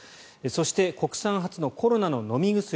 そして国産初のコロナの飲み薬